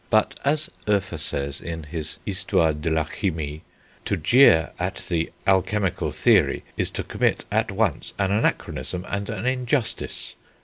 But, as Hoefer says in his Histoire de la Chimie, "to jeer at [the alchemical] theory is to commit at once an anachronism and an injustice....